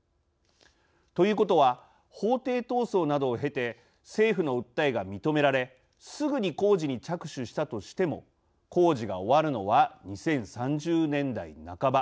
ということは法廷闘争などを経て政府の訴えが認められすぐに工事に着手したとしても工事が終わるのは２０３０年代半ば。